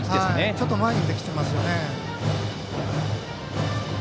ちょっと前に出てきていますね。